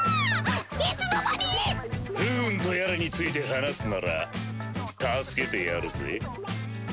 いつの間に⁉不運とやらについて話すなら助けてやるぜ。